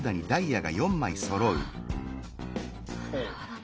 あなるほどね。